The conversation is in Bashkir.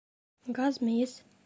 Газ, мейес